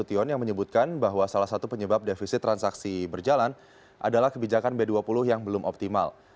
nasution yang menyebutkan bahwa salah satu penyebab defisit transaksi berjalan adalah kebijakan b dua puluh yang belum optimal